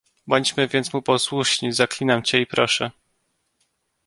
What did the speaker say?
"Bądźmy więc mu posłuszni, zaklinam cię i proszę."